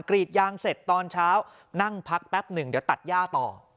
กรีดยางเสร็จตอนเช้านั่งพักแป๊บหนึ่งเดี๋ยวตัดย่าต่อ